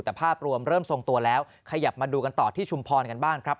แต่ภาพรวมเริ่มทรงตัวแล้วขยับมาดูกันต่อที่ชุมพรกันบ้างครับ